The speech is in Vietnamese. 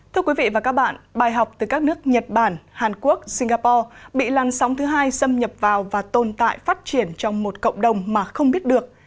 thưa quý vị và các bạn bài học từ các nước nhật bản hàn quốc singapore bị lăn sóng thứ hai xâm nhập vào và tồn tại phát triển trong một cộng đồng mà không biết được